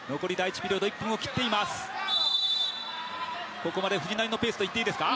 ここまで藤波のペースといっていいですか？